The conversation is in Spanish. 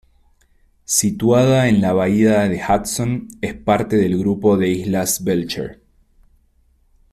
Situada en la bahía de Hudson, es parte del grupo de islas Belcher.